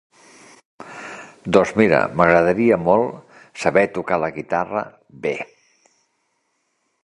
Doncs mira, m'agradaria molt saber tocar la guitarra bé.